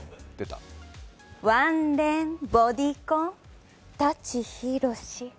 ワンレン、ボディコン、舘ひろし。